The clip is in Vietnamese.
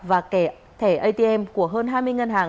và thẻ atm của hơn hai mươi ngân hàng